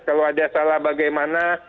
kalau ada salah bagaimana